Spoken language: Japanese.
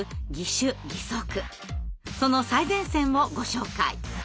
その最前線をご紹介。